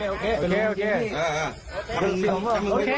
โอเคโอเคโอเค